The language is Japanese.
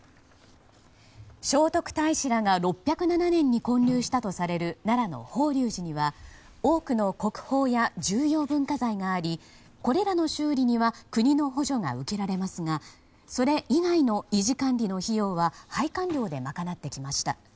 聖徳太子らが６０７年に建立したとされる奈良の法隆寺には多くの国宝や重要文化財がありこれらの修理には国の補助が受けられますがそれ以外の維持管理の費用は拝観料で賄ってきました。